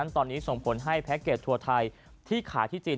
ตอนนี้ส่งผลให้แพ็คเกจทัวร์ไทยที่ขายที่จีน